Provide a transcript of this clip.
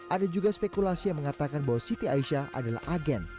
ada juga spekulasi yang mengatakan bahwa siti aisyah adalah agen